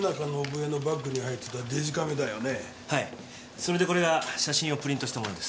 それでこれが写真をプリントしたものです。